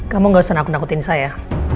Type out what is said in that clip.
kamu gak usah nakut nakutin saya